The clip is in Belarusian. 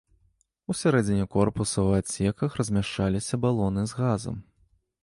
Усярэдзіне корпуса ў адсеках размяшчаліся балоны з газам.